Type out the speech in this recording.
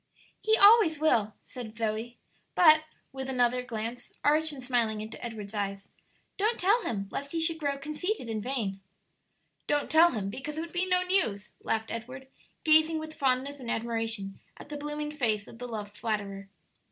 "He always will," said Zoe; "but," with another glance, arch and smiling, into Edward's eyes, "don't tell him, lest he should grow conceited and vain." "Don't tell him, because it would be no news," laughed Edward, gazing with fondness and admiration at the blooming face of the loved flatterer.